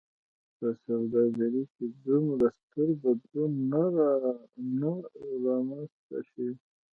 په سوداګرۍ کې دومره ستر بدلون نه و رامنځته شوی.